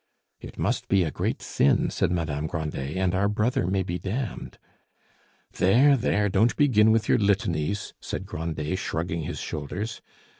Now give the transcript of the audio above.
"It must be a great sin," said Madame Grandet, "and our brother may be damned." "There, there, don't begin with your litanies!" said Grandet, shrugging his shoulders.